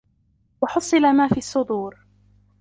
وَحُصِّلَ ما فِي الصُّدورِ